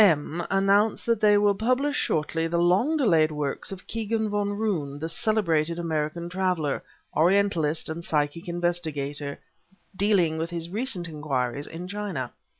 M announce that they will publish shortly the long delayed work of Kegan Van Roon, the celebrated American traveler, Orientalist and psychic investigator, dealing with his recent inquiries in China.